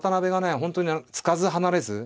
本当につかず離れず。